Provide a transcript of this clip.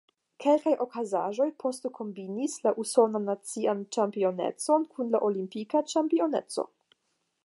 Kelkaj okazaĵoj poste kombinis la usonan nacian ĉampionecon kun la olimpika ĉampioneco.